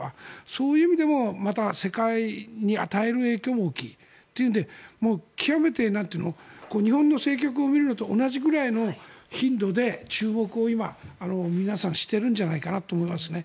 そういう意味でもまた世界に与える影響も大きいというので極めて日本の政局を見るのと同じぐらいの頻度で注目を今しているんじゃないかと思いますね。